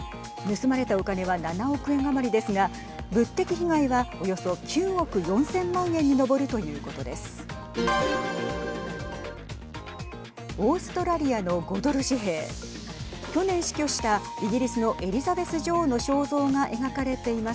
盗まれたお金は７億円余りですが物的被害はおよそ９億４０００万円に上るということです。